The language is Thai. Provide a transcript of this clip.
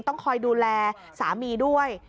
ต้องคอยดูแลสามีด้วย